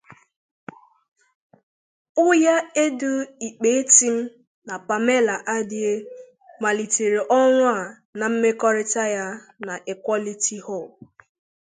Uyaiedu Ikpe-Etim na Pamela Adie malitere ọrụ a na mmekorita ya na Equality Hub.